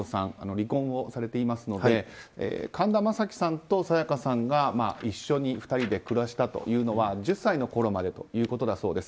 離婚をされていますので神田正輝さんと沙也加さんが一緒に暮らしたのは１０歳のころまでということだそうです。